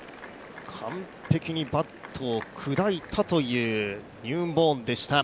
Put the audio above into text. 完璧にバットを砕いたというニューンボーンでした。